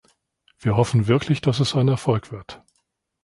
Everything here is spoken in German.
Wir hoffen wirklich, dass es ein Erfolg wird.